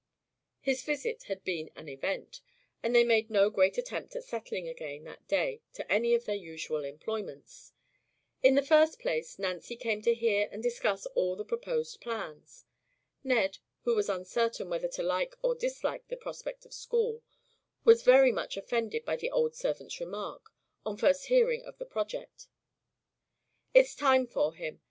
His visit had been an event; and they made no great attempt at settling again that day to any of their usual employments. In the first place, Nancy came in to hear and discuss all the proposed plans. Ned, who was uncertain whether to like or dislike the prospect of school, was very much offended by the old servant's remark, on first hearing of the project. "It's time for him.